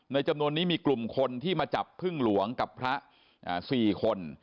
จำนวนนี้มีกลุ่มคนที่มาจับพึ่งหลวงกับพระ๔คน